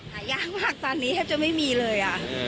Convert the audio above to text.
หายากมากตอนนี้แทบจะไม่มีเลย